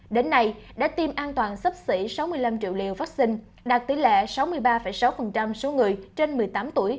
đến nay đã tiêm an toàn sắp xỉ sáu mươi năm triệu liều vaccine đạt tỷ lệ sáu mươi ba sáu số người trên một mươi tám tuổi